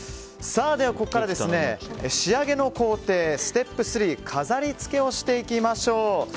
ここから仕上げの工程ステップ３、飾り付けをしていきましょう。